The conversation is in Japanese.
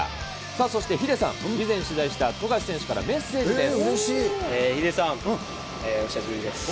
そしてヒデさん、先日取材した富樫選手からメッセージです。